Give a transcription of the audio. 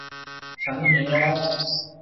"ฉันหิว !"